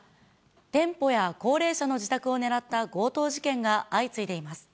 店舗や高齢者の自宅を狙った強盗事件が相次いでいます。